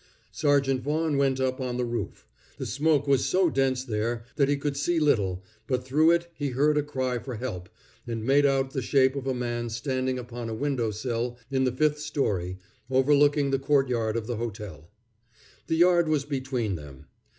Sergeant Vaughan went up on the roof. The smoke was so dense there that he could see little, but through it he heard a cry for help, and made out the shape of a man standing upon a window sill in the fifth story, overlooking the courtyard of the hotel. The yard was between them.